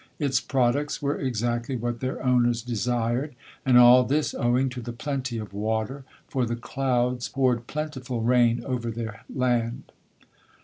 Its products were exactly what their owners "desired," and all this owing to the plenty of water, for the "clouds" poured plentiful rain over their land.